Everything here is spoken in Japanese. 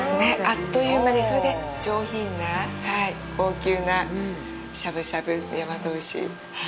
あっという間に、それで上品な、高級なしゃぶしゃぶ、大和牛。